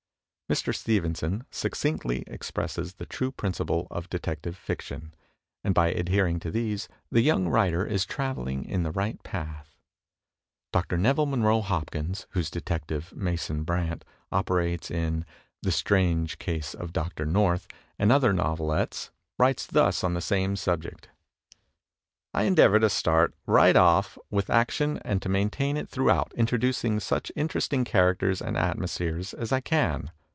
Mr. Stevenson succinctly expresses the true principles of detective fiction; and by adhering to these, the young writer is travelling in the right path. Dr. Nevil Monroe Hopkins — whose detective, "Mason Brant," operates in "The Strange Case of Dr. North," and other novelettes — writes thus on the same subject: "I endeavor to start right off with action and to maintain it throughout, introducing such interesting characters and atmosphere as I can.